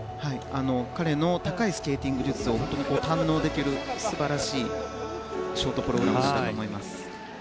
彼の高いスケーティング技術を堪能できる素晴らしいショートプログラムだと思います。